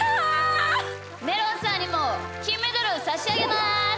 めろんさんにもきんメダルをさしあげます！